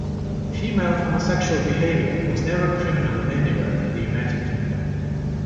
Female homosexual behaviour was never criminal anywhere in the United Kingdom.